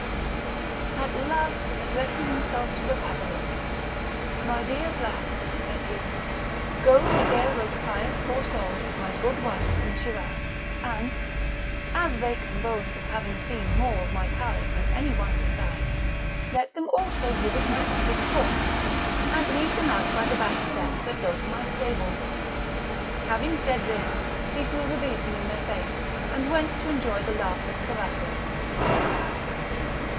At last, addressing himself to Bababalouk: "My dear black," said he, "go, regale these pious poor souls with my good wine from Shiraz; and, as they can boast of having seen more of my palace than any one besides, let them also visit my office courts, and lead them out by the back steps that go to my stables." Having said this, he threw the besom in their face, and went to enjoy the laugh with Carathis.